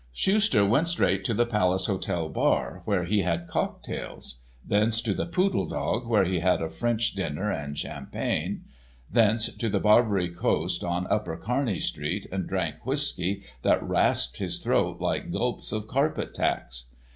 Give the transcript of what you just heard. Schuster went straight to the Palace Hotel bar, where he had cocktails, thence to the Poodle Dog, where he had a French dinner and champagne, thence to the Barbary Coast on upper Kearny street, and drank whiskey that rasped his throat like gulps of carpet tacks.